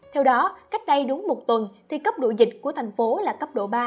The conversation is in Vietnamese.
theo đó cách đây đúng một tuần thì cấp độ dịch của tp hcm là cấp độ ba